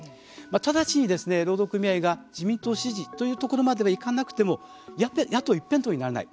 直ちに労働組合が自民党支持というところまではいかなくても野党一辺倒にはならない。